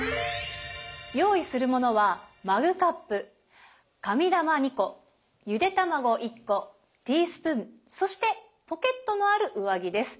用意するものはマグカップ紙玉２個ゆで卵１個ティースプーンそしてポケットのある上着です。